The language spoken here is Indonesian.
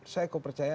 saya kok percaya